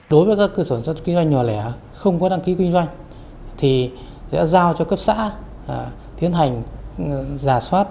đối với các cơ sở xuất kinh doanh nhỏ lẻ không có đăng ký kinh doanh thì sẽ giao cho cấp xã tiến hành giả soát